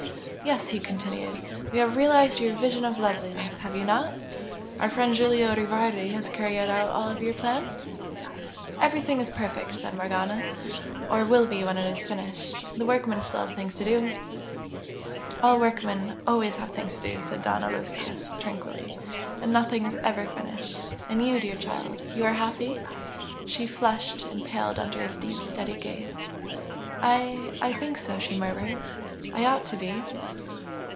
"Yes" he continued "you have realised your vision of loveliness, have you not? Our friend Giulio Rivardi has carried out all your plans?" "Everything is perfect!" said Morgana "Or will be when it is finished. The workmen still have things to do." "All workmen always have things to do!" said Don Aloysius, tranquilly "And nothing is ever finished! And you, dear child! you are happy?" She flushed and paled under his deep, steady gaze. "I I think so!" she murmured "I ought to be!"